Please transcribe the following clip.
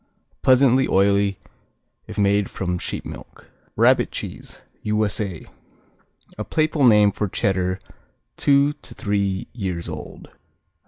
Pleasantly oily, if made from sheep milk. Rabbit Cheese U.S.A. A playful name for Cheddar two to three years old.